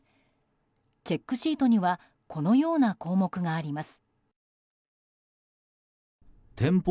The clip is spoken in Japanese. チェックシートにはこのような項目があります。